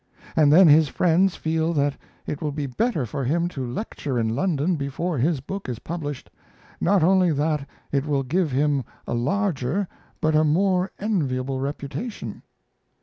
And then his friends feel that it will be better for him to lecture in London before his book is published, not only that it will give him a larger but a more enviable reputation.